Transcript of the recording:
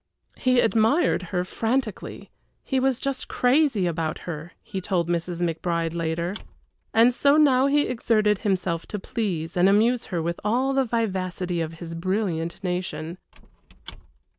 He admired her frantically, he was just "crazy" about her, he told Mrs. McBride later. And so now he exerted himself to please and amuse her with all the vivacity of his brilliant nation.